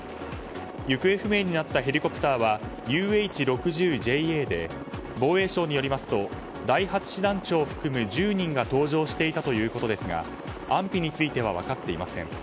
行方不明になったヘリコプターはＵＨ６０ＪＡで防衛省によりますと第８師団長含む１０人が搭乗していたということですが安否については分かっていません。